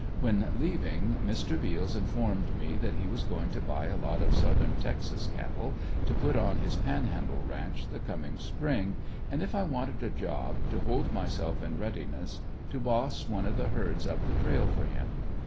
When leaving, Mr. Beals informed me that he was going to buy a lot of southern Texas cattle, to put on his Panhandle ranch, the coming spring, and if I wanted a job, to hold myself in readiness to boss one of the herds up the trail for him.